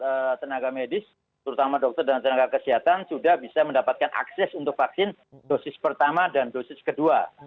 untuk tenaga medis terutama dokter dan tenaga kesehatan sudah bisa mendapatkan akses untuk vaksin dosis pertama dan dosis kedua